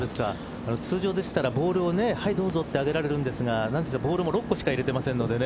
通常でしたらボールをはいどうぞとあげられるんですがボールも６個しか入れてませんのでね。